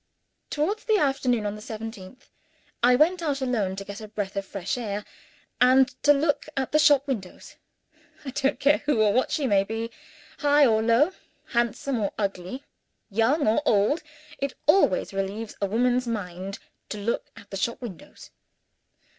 Towards the afternoon, on the seventeenth, I went out alone to get a breath of fresh air, and a look at the shop windows. I don't care who or what she may be high or low; handsome or ugly; young or old it always relieves a woman's mind to look at the shop windows.